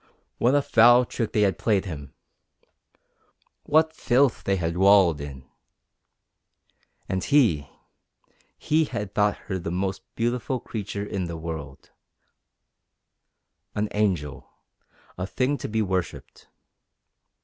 What a foul trick they had played him! What filth they had wallowed in! And he he had thought her the most beautiful creature in the world, an angel, a thing to be worshipped.